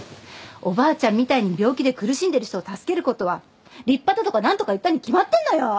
おばあちゃんみたいに病気で苦しんでる人を助けることは立派だとか何とか言ったに決まってんのよ。